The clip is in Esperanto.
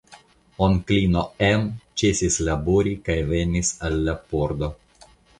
Onklino Em ĉesis labori kaj venis al la pordo.